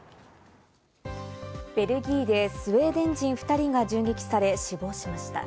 ベルギーでスウェーデン人、２人が銃撃され死亡しました。